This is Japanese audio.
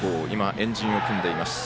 円陣を組んでいます。